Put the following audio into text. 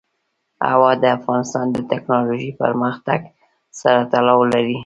هوا د افغانستان د تکنالوژۍ پرمختګ سره تړاو لري.